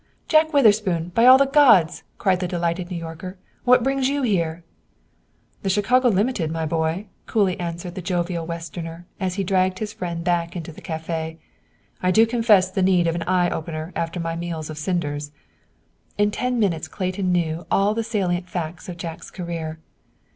"Jack Witherspoon, by all the gods," cried the delighted New Yorker. "What brings you here?" "The Chicago Limited, my boy!" coolly answered the jovial Westerner as he dragged his friend back into the café. "I do confess the need of an 'eye opener' after my meal of cinders." In ten minutes Clayton knew all the salient facts of Jack's career.